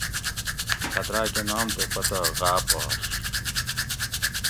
خط راکہ نام تے پتہ غایٔب آش